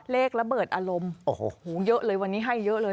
ระเบิดอารมณ์โอ้โหเยอะเลยวันนี้ให้เยอะเลย